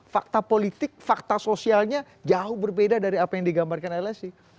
fakta politik fakta sosialnya jauh berbeda dari apa yang digambarkan lsi